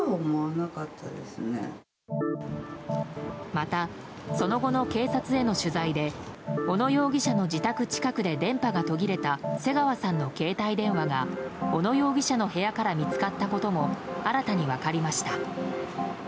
また、その後の警察への取材で小野容疑者の自宅近くで電波が途切れた瀬川さんの携帯電話が小野容疑者の部屋から見つかったことも新たに分かりました。